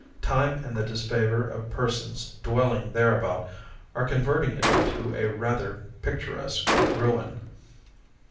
Time and the disfavor of persons dwelling thereabout are converting it into a rather picturesque ruin.